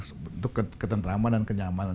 untuk ketentraman dan kenyamanan